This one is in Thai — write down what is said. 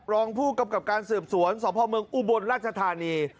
รองผู้กับการสืบสวนทรงพอมงอุบลรัชธานี